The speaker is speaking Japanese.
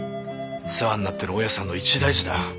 世話になってる大家さんの一大事だ。